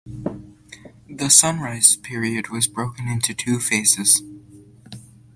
The Sunrise Period was broken into two phases.